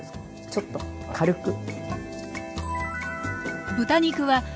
ちょっと軽く。